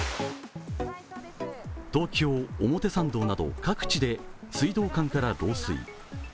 東京・表参道など各地で水道管から漏水。